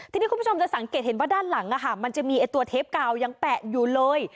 ทีนี้คุณผู้ชมจะสังเกตเห็นว่าด้านหลังมันจะมีตัวเทปกาวยังแปะอยู่เลย